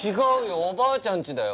おばあちゃんちだよ。